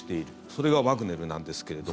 それがワグネルなんですけれども。